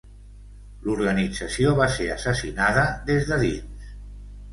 L'organització va ser assassinada des de dins.